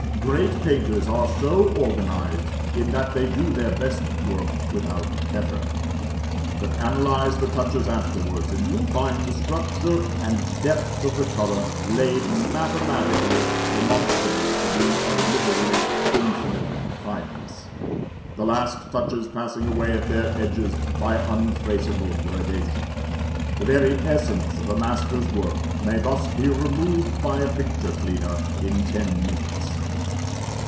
Great painters are so organized that they do their best work without effort: but analyze the touches afterwards, and you will find the structure and depth of the colour laid mathematically demonstrable to be of literally infinite fineness, the last touches passing away at their edges by untraceable gradation. The very essence of a master's work may thus be removed by a picture cleaner in ten minutes.